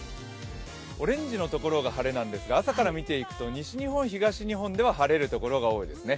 オレンジの所が晴れなんですが朝から見ていくと西日本、東日本では晴れるところが多いですね。